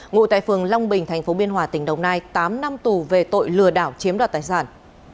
ngụ tại phường long bình tp biên hòa tỉnh đồng nai tám năm tù về tội lừa đảo chiếm đoạt tài sản